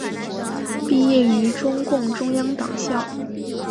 毕业于中共中央党校。